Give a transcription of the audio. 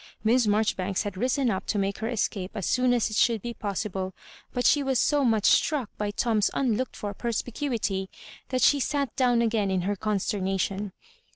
Miss Maijoribai^s had risen up to make her escape as soon as it should be possible, but she was so much struck by Tom's unlooked for perspi cuity, that she sat down again in her consterna tion.